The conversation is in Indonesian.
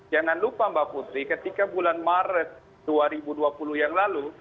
jangan lupa mbak putri ketika bulan maret dua ribu dua puluh yang lalu